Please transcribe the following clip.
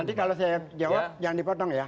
nanti kalau saya jawab jangan dipotong ya